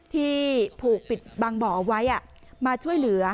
ที่ผูกปิดบางบ่อเอาไว้มาช่วยเหลือ